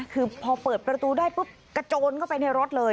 คือพอเปิดประตูได้ปุ๊บกระโจนเข้าไปในรถเลย